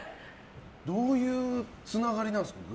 どういうつながりなんですか。